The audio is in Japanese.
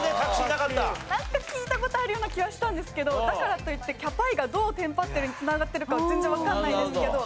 なんか聞いた事あるような気はしたんですけどだからといってきゃぱいがどうテンパってるに繋がってるかは全然わかんないですけど。